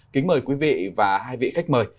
kính mời quý vị và hai vị khách mời